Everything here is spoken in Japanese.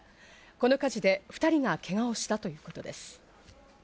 この火事で２人がけがをしたということです。